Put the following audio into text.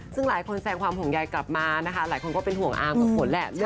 ซึ่งหลายคนแสงความห่วงใยกลับมานะคะหลายคนก็เป็นห่วงอาร์มกับฝนแหละ